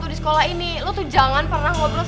di sekolah ini lu tuh jangan pernah ngobrol